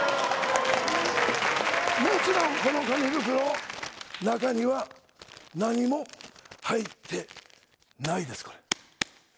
もちろん、この紙袋、中には何も入ってないです、これ。